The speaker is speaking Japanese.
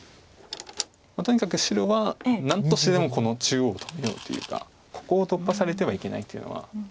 とにかく白は何としてでも中央を止めようというかここを突破されてはいけないというのは。